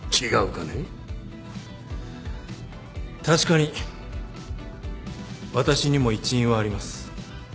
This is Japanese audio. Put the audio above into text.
確かに私にも一因はあります。